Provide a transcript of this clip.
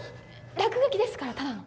落書きですからただの。